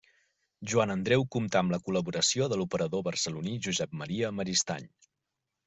Joan Andreu comptà amb la col·laboració de l'operador barceloní Josep Maria Maristany.